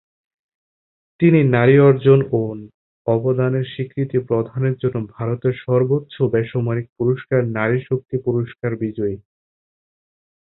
তিনি নারী অর্জন ও অবদানের স্বীকৃতি প্রদানের জন্য ভারতের সর্বোচ্চ বেসামরিক পুরস্কার নারী শক্তি পুরস্কার বিজয়ী।